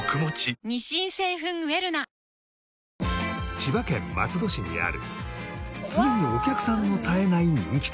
千葉県松戸市にある常にお客さんの絶えない人気店。